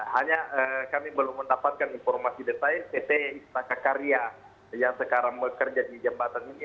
hanya kami belum mendapatkan informasi detail pt istaka karya yang sekarang bekerja di jembatan ini